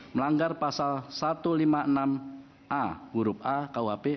melanggar pasal satu ratus lima puluh enam a huruf a kuhp